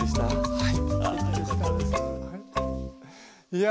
はい。